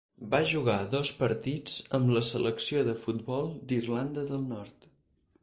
Va jugar dos partits amb la selecció de futbol d'Irlanda del Nord.